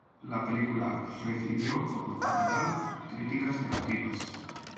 La película recibió, por lo general, críticas negativas.